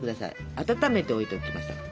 温めておいておきましたから。